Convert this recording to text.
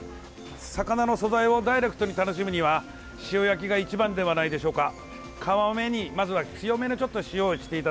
魚の素材をダイレクトに楽しむには塩焼きが一番ではないでしょうか。